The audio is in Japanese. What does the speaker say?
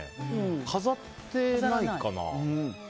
飾ってないかな。